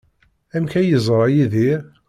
Amek ay yeẓra Yidir?